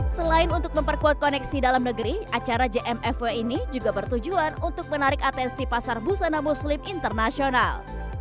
selain untuk memperkuat koneksi dalam negeri acara jmfw ini juga bertujuan untuk menarik atensi pasar busana muslim internasional